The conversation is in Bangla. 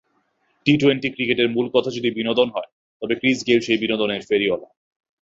টি-টোয়েন্টি ক্রিকেটের মূলকথা যদি বিনোদন হয়, তবে ক্রিস গেইল সেই বিনোদনের ফেরিওয়ালা।